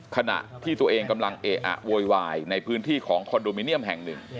ขณะที่ตัวเองกำลังเอะอะโวยวายในพื้นที่ของคอนโดมิเนียมแห่งหนึ่ง